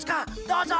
どうぞ。